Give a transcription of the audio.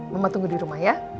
mama tunggu di rumah ya